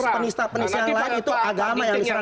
penista penista yang lain itu agama yang diserahkan